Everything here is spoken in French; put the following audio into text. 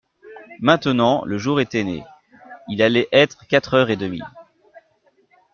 Maintenant, le jour était né, il allait être quatre heures et demie.